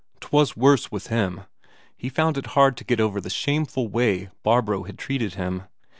'Twas worse with him; he found it hard to get over the shameful way Barbro had treated him.